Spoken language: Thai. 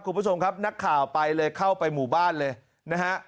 คุณผู้ชมครับนักข่าวไปเลยเข้าไปหมู่บ้านเลยนะฮะ